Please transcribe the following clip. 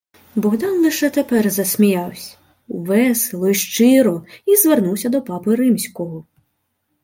Богдан лише тепер засміявсь — весело й щиро, й звернувся до папи римського: